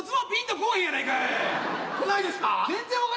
こないですか？